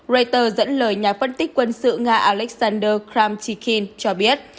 reuters dẫn lời nhà phân tích quân sự nga alexander kramchikhin cho biết